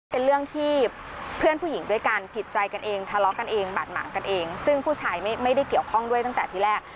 เป็นเรื่องที่เพื่อนผู้หญิงด้วยกันผิดใจกันเองทะเลาะกันเองบาดหมางกันเองซึ่งผู้ชายไม่ได้เกี่ยวข้องด้วยตั้งแต่ที่แรก